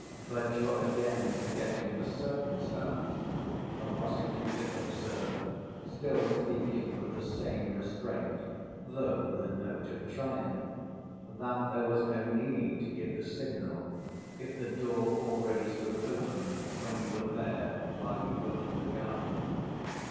"But you're again forgetting the circumstance," the prosecutor observed, still speaking with the same restraint, though with a note of triumph, "that there was no need to give the signal if the door already stood open when you were there, while you were in the garden...."